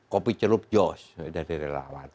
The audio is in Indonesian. kopi ceruk jos dari relawan